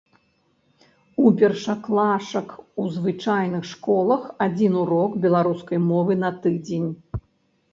У першаклашак у звычайных школах адзін урок беларускай мовы на тыдзень.